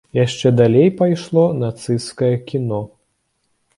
Яшчэ далей пайшло нацысцкае кіно.